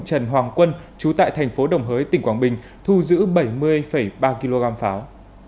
trần hoàng quân chú tại thành phố đồng hới tỉnh quảng bình thu giữ bảy mươi ba kg pháo